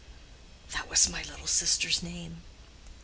"That was my little sister's name.